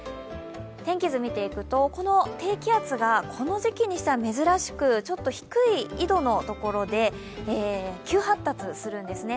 天気図を見ていくと、この低気圧がこの時期にしては珍しくちょっと低い緯度の所で急発達するんですね。